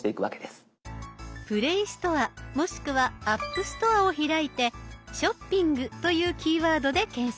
ＰｌａｙストアもしくはＡｐｐＳｔｏｒｅを開いて「ショッピング」というキーワードで検索。